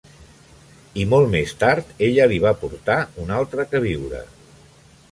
I molt més tard, ella li va portar un altre queviure.